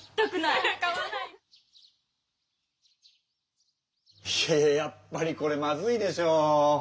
いやいややっぱりこれまずいでしょ。